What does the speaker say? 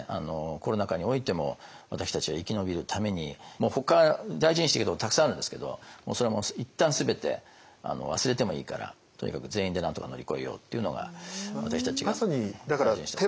コロナ禍においても私たちが生き延びるためにもうほか大事にしてきたことたくさんあるんですけどそれはもう一旦全て忘れてもいいからとにかく全員でなんとか乗り越えようっていうのが私たちが大事にしてきたことです。